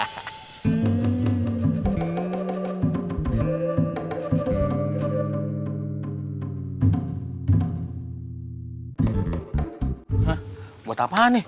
ha buat apaan nih